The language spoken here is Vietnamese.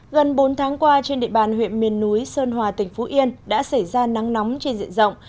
gần bốn tháng qua trên địa bàn huyện miền núi sơn hòa tỉnh phú yên đã xảy ra nắng nóng trên diện rộng